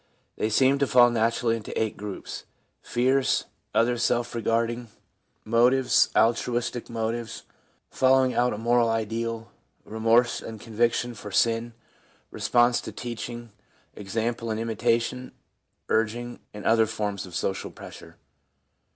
They seem to fall naturally into eight groups — fears, other self regarding motives, altruistic motives, following out a moral ideal, remorse and conviction for sin, response to teaching, example and imitation, urging and other forms of social pressure.